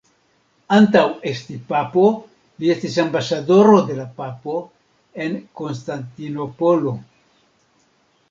Antaŭ esti papo, li estis ambasadoro de la papo en Konstantinopolo.